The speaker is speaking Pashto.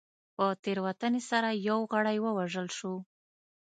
په تېروتنې سره یو غړی ووژل شو.